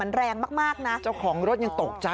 มันแรงมากมากนะเจ้าของรถยังตกใจ